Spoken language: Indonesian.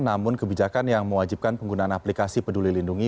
namun kebijakan yang mewajibkan penggunaan aplikasi peduli lindungi